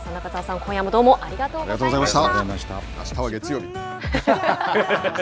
今夜もどうもありがとうございました。